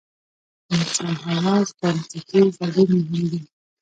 د انسان حواس بنسټیز او ډېر مهم دي.